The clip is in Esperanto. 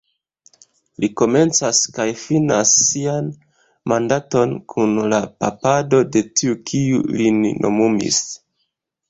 Li komencas kaj finas sian mandaton kun la papado de tiu kiu lin nomumis.